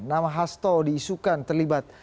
nama hasto diisukan terlibat